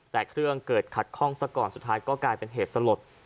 แต่เครื่องเกิดขัดข้องซะก่อนสุดท้ายก็กลายเป็นเหตุสลด